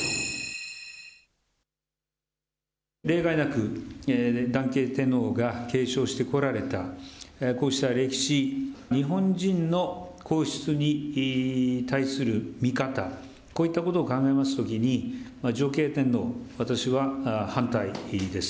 例外なく、男系天皇が継承してこられた、こうした歴史、日本人の皇室に対する見方、こういったことを考えますときに、女系天皇、私は反対です。